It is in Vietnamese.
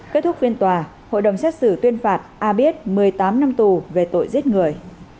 kết thúc phiên tòa hội đồng xét xử tuyên phạt a biết một mươi tám năm tù về tội giết người